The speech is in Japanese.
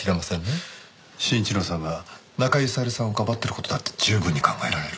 真一郎さんが中井小百合さんをかばっている事だって十分に考えられる。